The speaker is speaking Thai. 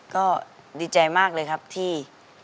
ก็ดีใจมากเลยครับที่